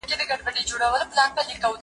زه هره ورځ کتاب وليکم؟؟